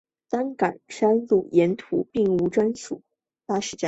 担杆山路沿途并无专营巴士站。